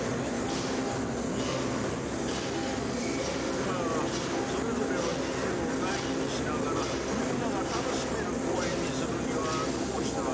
じゃあそれぞれの自由を大事にしながらみんなが楽しめる公園にするにはどうしたらいいのかのう。